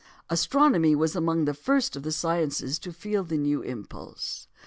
Astronomy was amongst the first of the sciences to feel the new impulse.